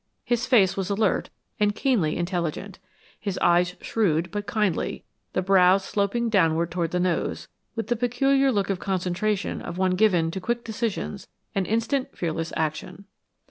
His face was alert and keenly intelligent. His eyes shrewd, but kindly, the brows sloping downward toward the nose, with the peculiar look of concentration of one given to quick decisions and instant, fearless action.